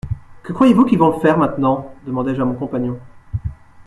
Que croyez-vous qu'ils vont faire maintenant ? demandai-je à mon compagnon.